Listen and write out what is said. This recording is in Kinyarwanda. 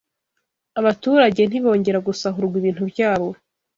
abaturage ntibongera gusahurwa ibintu byabo